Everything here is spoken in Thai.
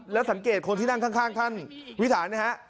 แล้วสังเกตคนที่นั่งข้างท่านวิสานะฮะ